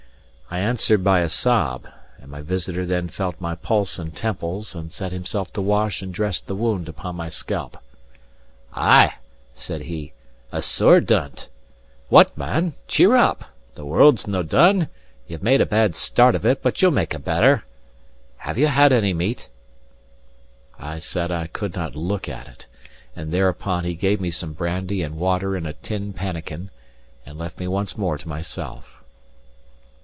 I answered by a sob; and my visitor then felt my pulse and temples, and set himself to wash and dress the wound upon my scalp. "Ay," said he, "a sore dunt*. What, man? Cheer up! The world's no done; you've made a bad start of it but you'll make a better. Have you had any meat?" * Stroke. I said I could not look at it: and thereupon he gave me some brandy and water in a tin pannikin, and left me once more to myself.